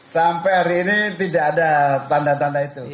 sampai hari ini tidak ada tanda tanda itu